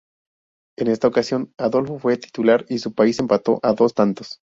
En esta ocasión, Adolfo fue titular y su país empató a dos tantos.